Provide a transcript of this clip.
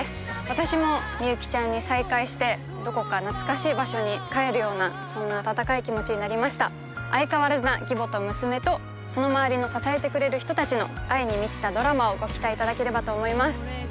私もみゆきちゃんに再会してどこか懐かしい場所に帰るようなそんな温かい気持ちになりました相変わらずな義母と娘とその周りの支えてくれる人達の愛に満ちたドラマをご期待いただければと思います